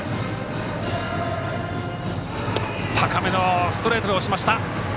高めのストレートで押しました！